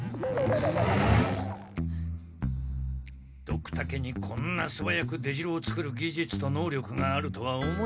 ドクタケにこんなすばやく出城をつくる技術と能力があるとは思えん。